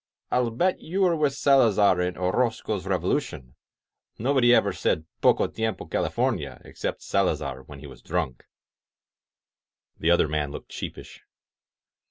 "I'll bet you were with Salazar in Orozco's Revolution. Nobody ever said *Poco tiempo CaUfomia* except Sala zar when he was drunk !" The other man looked sheepish.